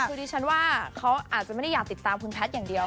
คือดิฉันว่าเขาอาจจะไม่ได้อยากติดตามคุณแพทย์อย่างเดียว